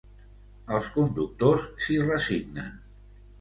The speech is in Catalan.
Els conductors s'hi resignen.